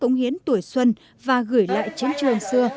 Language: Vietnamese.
công hiến tuổi xuân và gửi lại chiến trường xưa